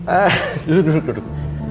eh duduk duduk duduk